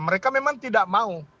mereka memang tidak mau